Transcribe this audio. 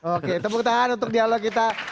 oke tepuk tangan untuk dialog kita